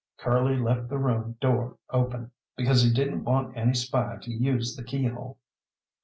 Curly left the room door open, because he didn't want any spy to use the keyhole.